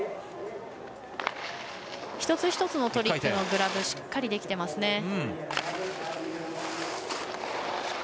一つ一つのトリックのグラブしっかりできてますね。